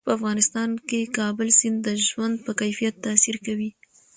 په افغانستان کې کابل سیند د ژوند په کیفیت تاثیر کوي.